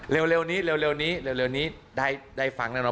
เร็วนี้ได้ฟังแล้วนะ